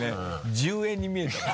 １０円に見えたもん。